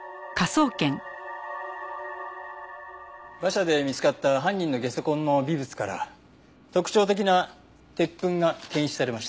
馬車で見つかった犯人のゲソ痕の微物から特徴的な鉄粉が検出されました。